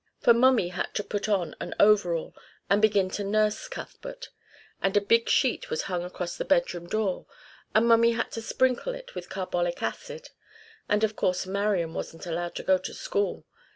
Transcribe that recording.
For Mummy had to put on an overall and begin to nurse Cuthbert, and a big sheet was hung across the bedroom door, and Mummy had to sprinkle it with carbolic acid, and of course Marian wasn't allowed to go to school.